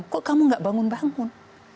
kok kamu gak bangun bangun